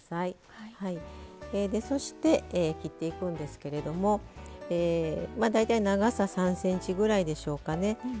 そして切っていくんですけれども大体長さ３ｃｍぐらいでしょうかね。